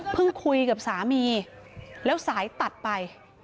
คุยกับสามีแล้วสายตัดไป